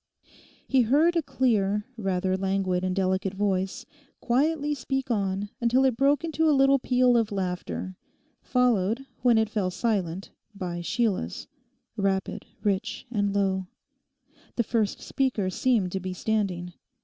He heard a clear, rather languid and delicate voice quietly speak on until it broke into a little peal of laughter, followed, when it fell silent by Sheila's—rapid, rich, and low. The first speaker seemed to be standing.